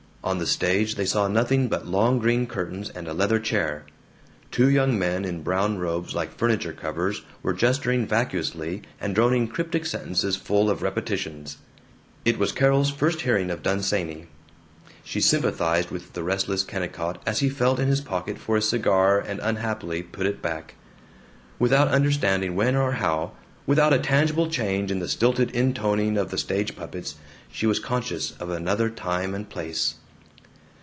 On the stage they saw nothing but long green curtains and a leather chair. Two young men in brown robes like furniture covers were gesturing vacuously and droning cryptic sentences full of repetitions. It was Carol's first hearing of Dunsany. She sympathized with the restless Kennicott as he felt in his pocket for a cigar and unhappily put it back. Without understanding when or how, without a tangible change in the stilted intoning of the stage puppets, she was conscious of another time and place.